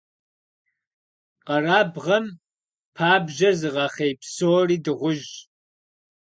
Къэрабгъэм пабжьэр зыгъэхъей псори дыгъужь.